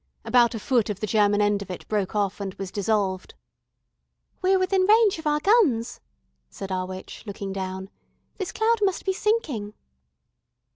About a foot of the German end of it broke off and was dissolved. "We're within range of our guns," said our witch, looking down. "This cloud must be sinking."